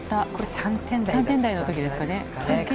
３点台のときですかね。